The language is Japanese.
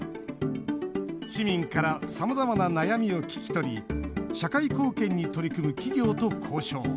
市民からさまざまな悩みを聞き取り社会貢献に取り組む企業と交渉。